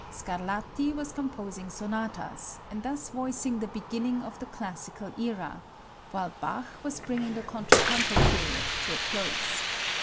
Scarlatti was composing sonatas, and thus voicing the beginning of the classical era, while Bach was bringing the contrapuntal period to a close.